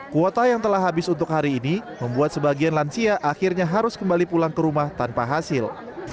kuota yang telah habis untuk hari ini membuat sebagian lansia akhirnya harus kembali pulang ke rumah tanpa hasil